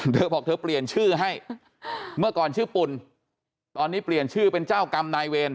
เธอบอกเธอเปลี่ยนชื่อให้เมื่อก่อนชื่อปุ่นตอนนี้เปลี่ยนชื่อเป็นเจ้ากรรมนายเวร